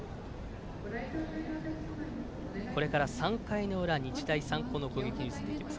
これから３回の裏日大三高の攻撃に進んでいきます。